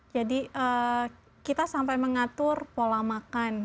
jadi kita sampai mengatur pola makan